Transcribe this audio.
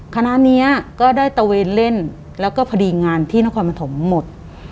คณะนี้ก็ได้ตะเวนเล่นแล้วก็พอดีงานที่นครปฐมหมด